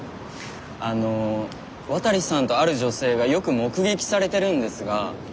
あの渡さんとある女性がよく目撃されてるんですが。